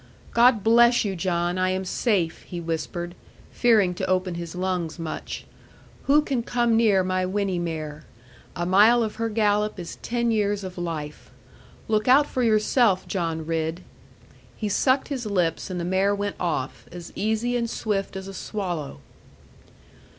'God bless you, John; I am safe,' he whispered, fearing to open his lungs much: 'who can come near my Winnie mare? A mile of her gallop is ten years of life. Look out for yourself, John Ridd.' He sucked his lips, and the mare went off, as easy and swift as a swallow.